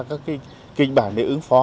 các kinh bản để ứng phó